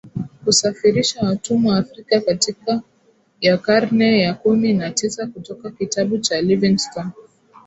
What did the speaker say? Kusafirisha watumwa Afrika katika ya karne ya kumi na tisa kutoka kitabu cha Livingstone